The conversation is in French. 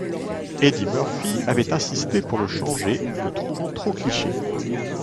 Eddie Murphy avait insisté pour le changer le trouvant trop cliché.